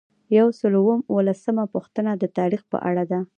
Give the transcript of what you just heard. یو سل او اووه لسمه پوښتنه د تعلیق په اړه ده.